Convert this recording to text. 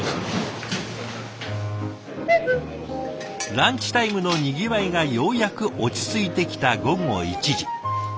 ランチタイムのにぎわいがようやく落ち着いてきた午後１時。